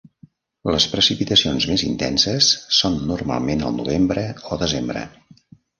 Les precipitacions més intenses són normalment al novembre o desembre.